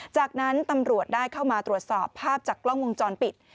จากนั้นตำรวจได้เข้ามาตรวจสอบภาพจากกล้องวงจรปิด